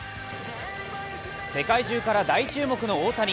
世界中から大注目の大谷。